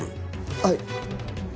はい。